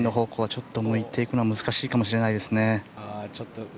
ちょっと向いていくのは難しいかもしれないですね。